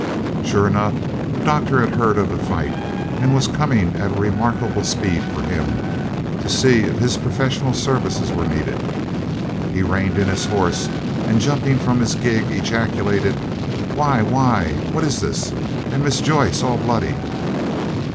Sure enough, the Doctor had heard of the fight, and was coming at a remarkable speed, for him, to see if his professional services were needed. He reined in his horse, and jumping from his gig, ejaculated, "Why! why! what is this? And Miss Joyce all bloody!"